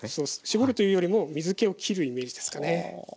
絞るというよりも水けをきるイメージですかね。